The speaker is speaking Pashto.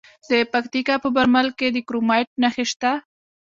د پکتیکا په برمل کې د کرومایټ نښې شته.